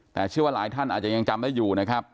แต่เชื่อว่าหลายท่านอาจจะยังจำได้อยู่นะครับ